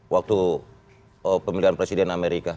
waktu pemilihan presiden amerika